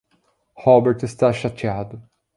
Robert está chateado.